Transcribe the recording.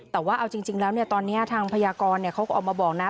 แต่ว่าเอาจริงแล้วตอนนี้ทางพยากรเขาก็ออกมาบอกนะ